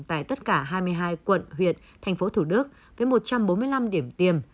tại tất cả hai mươi hai quận huyện tp thủ đức với một trăm bốn mươi năm điểm tiêm